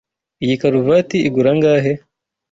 Iyi karuvati igura angahe?